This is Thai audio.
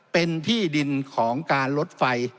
เป็นที่ดินของการลดไฟ